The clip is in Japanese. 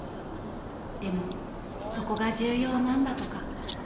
［でもそこが重要なんだとか］